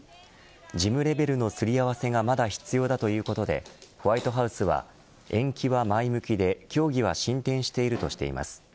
事務レベルのすり合わせがまだ必要だということでホワイトハウスは延期は前向きで協議は進展しているとしています。